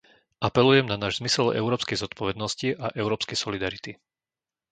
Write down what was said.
Apelujem na náš zmysel európskej zodpovednosti a európskej solidarity.